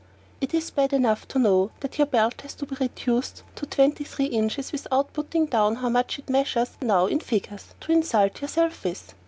It is bad enough to know that your belt has to be reduced to twenty three inches without putting down how much it measures now in figures to insult yourself with.